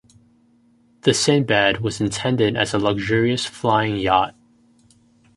The Sinbad was intended as a luxurious flying yacht.